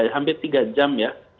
hampir tiga jam ya